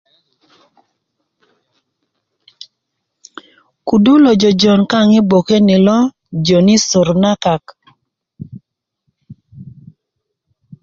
kudu lojojon kaŋ i bgoke ni lo jon i sor na kak